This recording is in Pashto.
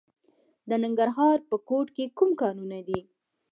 د ننګرهار په کوټ کې کوم کانونه دي؟